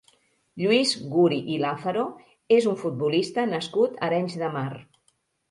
Lluís Guri i Lázaro és un futbolista nascut a Arenys de Mar.